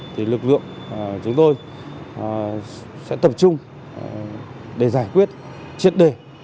thì lực lượng chúng tôi sẽ tập trung để giải quyết triệt đề